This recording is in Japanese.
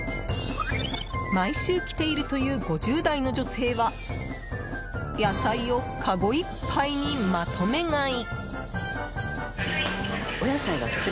毎週来ているという５０代の女性は野菜をかごいっぱいにまとめ買い。